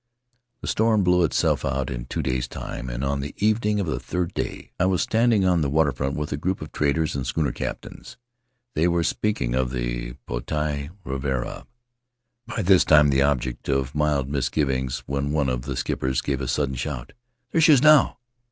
The storm blew itself out in two days' time, and on the evening of the third day I was standing on the Faery Lands of the South Seas water front with a group of traders and schooner captains. They were speaking of the Potii Ravarava, by this time the object of mild misgivings, when one of the skippers gave a sudden shout. * There she is now!"